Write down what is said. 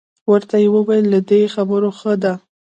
ورته یې وویل له دې خبرو ښه ده.